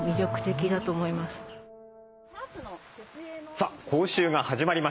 さあ講習が始まりました。